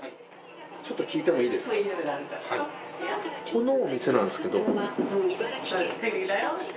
このお店なんですけど。